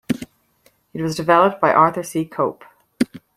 It was developed by Arthur C. Cope.